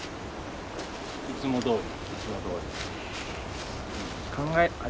いつもどおり？